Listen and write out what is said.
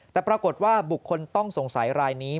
แต่ปรากฏว่าบุคคลต้องสงสัยรายนี้